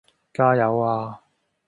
加油呀